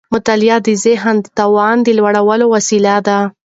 مطالعه د ذهني توان د لوړولو وسيله ده.